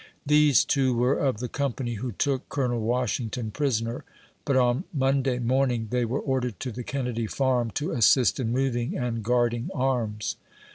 These two were of the company who took Col. Washington prisoner, but on Monday morning, they were ordered to the Kennedy Farm, to assist in moving and guarding arms.